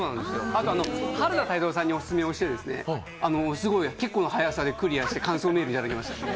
あと、原田泰造さんにおすすめをしたら結構な速さでクリアして感想メールいただきました。